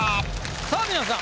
さぁ皆さん